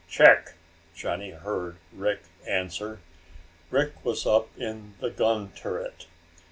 "Check!" Johnny heard Rick answer. Rick was up in the gun turret.